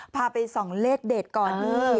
พาไป๒เลขเดจก่อนนี้